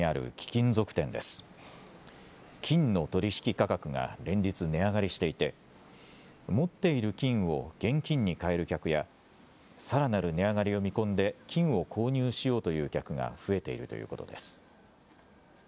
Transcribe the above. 金の取引価格が連日値上がりしていて持っている金を現金に換える客やさらなる値上がりを見込んで金を購入しようという客が増えているということです。